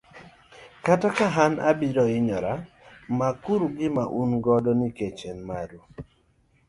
kata ka an abiro hinyora, mak uru gima un godo nikech en maru.